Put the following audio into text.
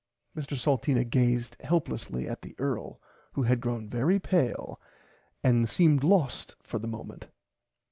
Mr Salteena gazed helplessly at the earl who had grown very pale and seemed lost for the moment.